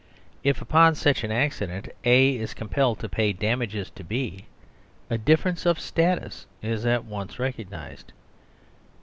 If upon such an accident A is compelled to pay damages to B, a difference of status is at once re cognised.